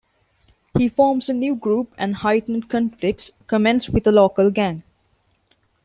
He forms a new group and heightened conflicts commence with a local gang.